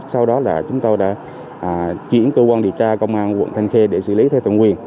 sau đó là chúng tôi đã chuyển cơ quan điều tra công an quận thanh khê để xử lý theo thẩm quyền